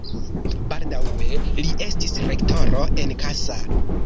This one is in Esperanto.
Baldaŭe li estis rektoro en Kassa.